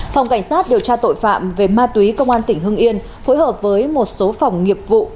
phòng cảnh sát điều tra tội phạm về ma túy công an tỉnh hưng yên phối hợp với một số phòng nghiệp vụ